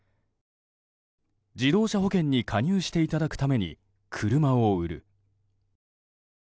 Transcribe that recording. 自動車保険に加入していただくために車を売る。